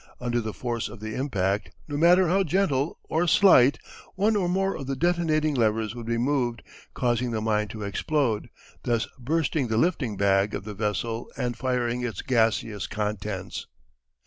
Under the force of the impact, no matter how gentle, or slight, one or more of the detonating levers would be moved, causing the mine to explode, thus bursting the lifting bag of the vessel, and firing its gaseous contents.